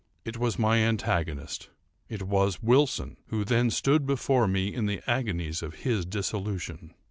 It was my antagonist—it was Wilson, who then stood before me in the agonies of his dissolution.